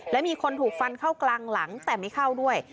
และมีคนถูกฟันเข้ากลางหลังแต่ไม่เข้าด้วย